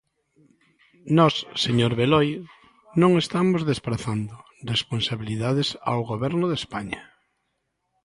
Nós, señor Beloi, non estamos desprazando responsabilidades ao Goberno de España.